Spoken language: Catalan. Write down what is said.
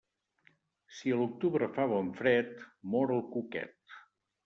Si a l'octubre fa bon fred, mor el cuquet.